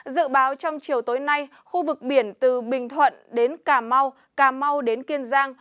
dự báo trong chiều tối nay khu vực biển từ bình thuận đến cà mau cà mau đến kiên giang